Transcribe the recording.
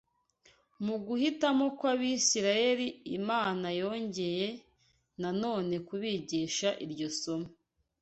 Mu guhitamo kw’Abisiraheli, Imana yongeye na none kubigisha iryo somo